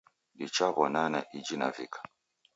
Dichaw'onana ijhi navika